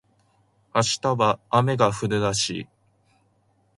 明日は雨が降るらしい